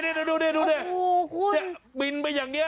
นี่ดูเนี่ยบินไปอย่างเงี้ย